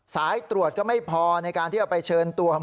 สายตรวจก็ไม่พอในการเฉินตัวมาไปนะครับ